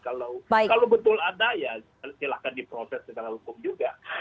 kalau betul ada ya silahkan diproses secara hukum juga